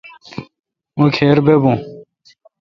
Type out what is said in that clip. مہ کھیربؤون۔